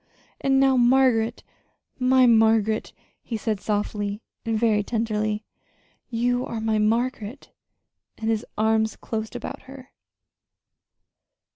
And now Margaret, my Margaret," he said softly and very tenderly. "You are my Margaret!" And his arms closed about her.